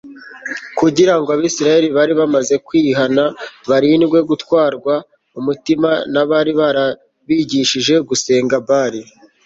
Kugira ngo Abisirayeli bari bamaze kwihana barindwe gutwarwa umutima nabari barabigishije gusenga Bali